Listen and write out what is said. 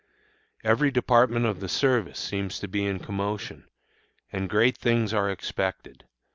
Every department of the service seems to be in commotion, and great things are expected.